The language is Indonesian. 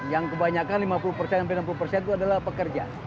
yang kebanyakan lima puluh persen sampai enam puluh persen itu adalah pekerja